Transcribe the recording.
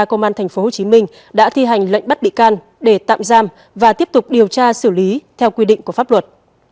công an tp hcm đã thi hành lệnh bắt bị can để tạm giam và tiếp tục điều tra xử lý theo quy định của pháp luật